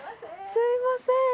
すいません今。